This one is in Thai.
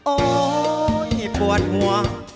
โอ๊ยปวดหัว